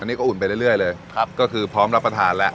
อันนี้ก็อุ่นไปเรื่อยเลยครับก็คือพร้อมรับประทานแล้ว